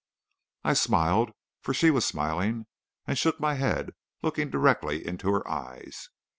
I smiled, for she was smiling, and shook my head, looking directly into her eyes.